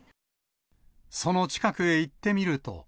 その近くへ行ってみると。